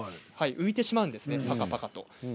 浮いてしまうんです、ぱかぱかと。